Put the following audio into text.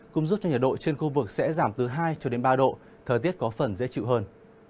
cũng giúp cho nhiệt độ trên khu vực sẽ giảm từ hai cho đến ba độ thời tiết có phần dễ chịu hơn